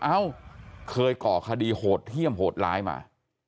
เอ้าเคยก่อคดีโหดเที่ยมโหดร้ายมา